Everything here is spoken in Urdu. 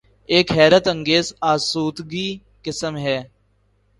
ایک حیرت انگیز آسودگی قسم ہے۔